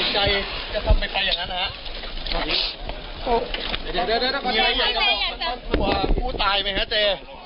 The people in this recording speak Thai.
อยากจะบอกอะไรกับผู้ตายเป็นครั้งสุดท้ายไหมเจ๊